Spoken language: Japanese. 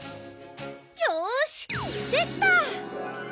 よーしできた！